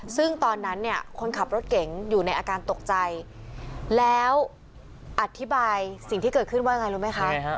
ซึ่งตอนนั้นเนี่ยคนขับรถเก๋งอยู่ในอาการตกใจแล้วอธิบายสิ่งที่เกิดขึ้นว่าไงรู้ไหมคะ